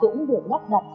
cũng được góp đọc